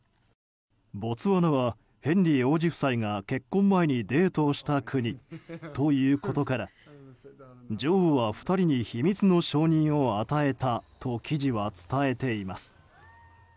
ボツワナは、ヘンリー王子夫妻が結婚前にデートをした国ということから女王は２人に秘密の承認を与えたと記事は伝えています。